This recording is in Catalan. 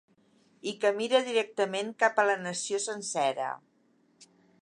I que mira directament cap a la nació sencera.